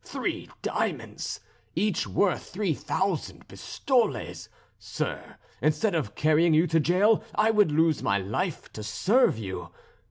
Three diamonds! Each worth three thousand pistoles! Sir, instead of carrying you to jail I would lose my life to serve you.